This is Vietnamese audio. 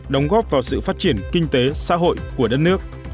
đóng góp vào sự phát triển kinh tế xã hội của đất nước